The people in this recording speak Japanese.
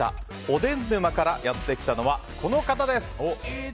おでん沼からやってきたのはこの方です。